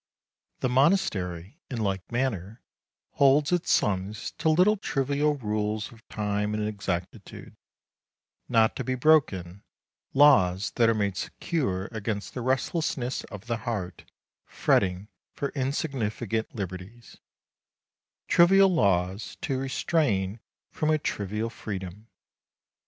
The monastery, in like manner, holds its sons to little trivial rules of time and exactitude, not to be broken, laws that are made secure against the restlessness of the heart fretting for insignificant liberties trivial laws to restrain from a trivial freedom.